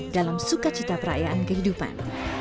dalam sukacita perayaan kehidupan